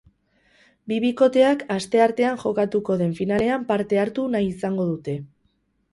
Bi bikoteak asteartean jokatuko den finalean parte hartu nahi izango dute.